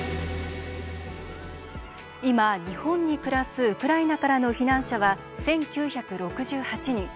今日本に暮らすウクライナからの避難者は１，９６８人。